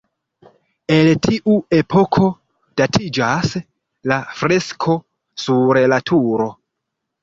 El tiu epoko datiĝas la fresko sur la turo.